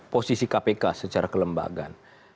posisi kpk secara kelembagaan